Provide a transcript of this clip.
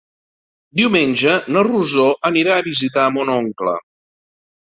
Diumenge na Rosó anirà a visitar mon oncle.